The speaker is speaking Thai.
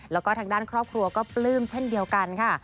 แล้วก็ทางด้านครอบครัวก็ปลื้มเช่นเดียวกันค่ะ